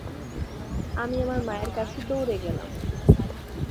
আমি আমার মায়ের কাছে দৌড়ে গেলাম।